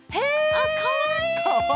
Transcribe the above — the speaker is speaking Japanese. あかわいい！